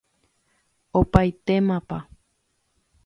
opaitémapa